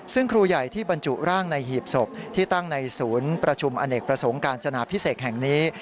ซึ่งครูใหญ่ที่บรรจุร่างในหีบศพที่ตั้งในศูนย์ประชุมอเนกประสงค์การจนาพิเศษแห่งนี้